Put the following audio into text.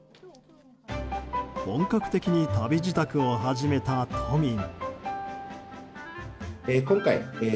本格的に旅支度を始めた都民。